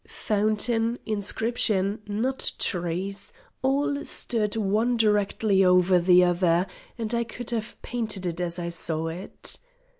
Fountain, inscription, nut trees, all stood, one directly over the other, and I could have painted it as I saw it.